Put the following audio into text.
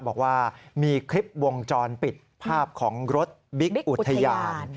บอกว่ามีคลิปวงจรปิดภาพของรถบิ๊กอุทยาน